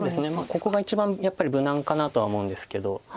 ここが一番やっぱり無難かなとは思うんですけど。